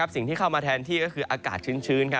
สิ่งที่เข้ามาแทนที่ก็คืออากาศชื้น